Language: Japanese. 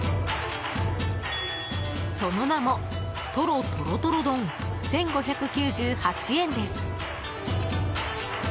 その名もトロとろとろ丼１５９８円です。